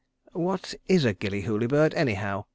"What is a Gillyhooly bird, anyhow?"